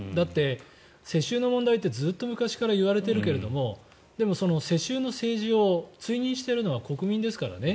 だって、世襲の問題ってずっと昔から言われているけど世襲の政治を追認しているのは国民ですからね。